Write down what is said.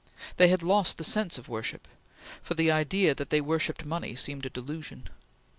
They had lost the sense of worship; for the idea that they worshipped money seemed a delusion.